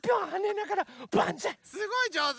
すごいじょうず。